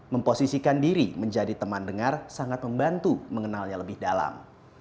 memposisikan diri menjadi teman dengar sangat membantu mengenalnya lebih dalam